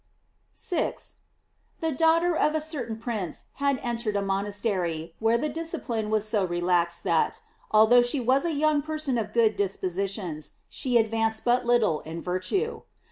* 6. — The daughter of a certain prince had en tered a monastery, where the discipline was so relaxed, that, although she was a young person of good dispositions, she advanced but little in virtue.